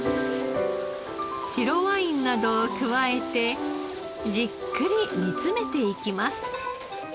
白ワインなどを加えてじっくり煮詰めていきます。